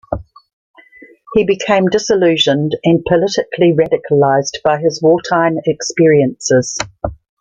He became disillusioned and politically radicalized by his wartime experiences.